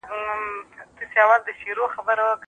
د پرمختګ لپاره ستراتیژیک فکر اړین دی.